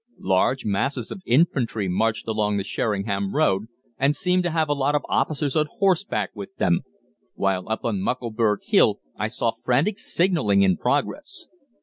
Large masses of infantry marched along the Sheringham Road, and seemed to have a lot of officers on horseback with them, while up on Muckleburgh Hill I saw frantic signalling in progress.